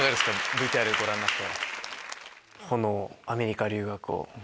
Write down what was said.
ＶＴＲご覧になって。